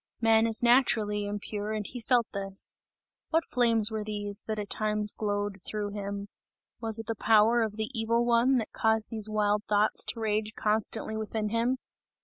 Man is naturally impure and he felt this! What flames were these, that at times glowed through him? Was it the power of the Evil One, that caused these wild thoughts to rage constantly within him?